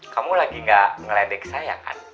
kamu lagi gak ngeledek saya kan